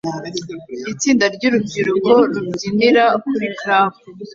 Itsinda ryurubyiruko rubyinira kuri club